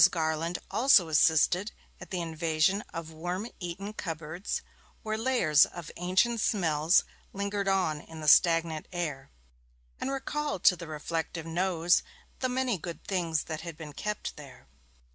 Garland also assisted at the invasion of worm eaten cupboards, where layers of ancient smells lingered on in the stagnant air, and recalled to the reflective nose the many good things that had been kept there.